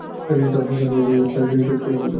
তারপর তাঁর শিরোচ্ছেদ করে ফেলল।